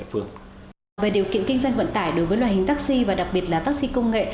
về điều kiện kinh doanh vận tải đối với loại hình taxi và đặc biệt là taxi công nghệ